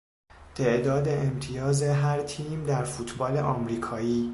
تعداد امتیاز هر تیم در فوتبال آمریکایی